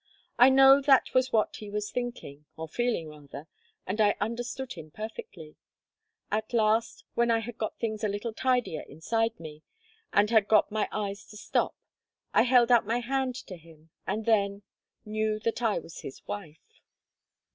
I know that was what he was thinking, or feeling rather; and I understood him perfectly. At last, when I had got things a little tidier inside me, and had got my eyes to stop, I held out my hand to him, and then knew that I was his wife.